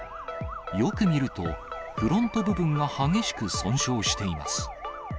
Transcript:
よく見ると、フロント部分が激しく損傷しています。